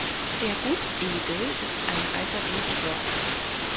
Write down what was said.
Der ‘Gutedel’ ist eine alte Rebsorte.